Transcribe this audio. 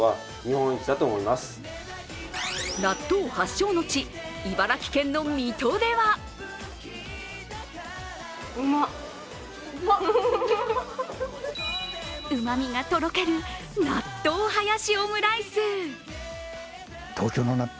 納豆発祥の地、茨城県の水戸ではうまみがとろける納豆ハヤシオムライス。